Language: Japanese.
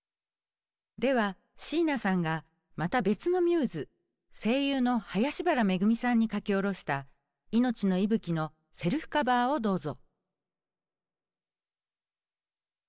では椎名さんがまた別のミューズ声優の林原めぐみさんに書き下ろした「命の息吹き」のセルフカバーをどうぞ。